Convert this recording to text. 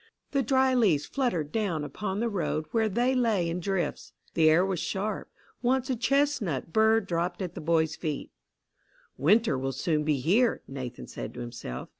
The dry leaves fluttered down upon the road where they lay in drifts. The air was sharp. Once a chestnut burr dropped at the boy's feet. "Winter will soon be here," Nathan said to himself.